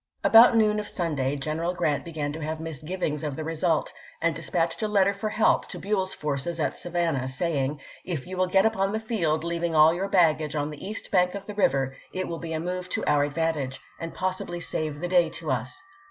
About noon of Sunday, General Api. e, im. Glrant began to have misgivings of the result, and dispatched a letter for help to Buell's forces at Sa vannah, saying, "If you will get upon the field, leaving all your baggage on the east bank of the river, it will be a move to our advantage, and pos sibly save the day to us."